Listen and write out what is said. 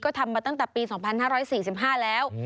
ก็ทำมาตั้งแต่ปี๒๕๔๕แล้ว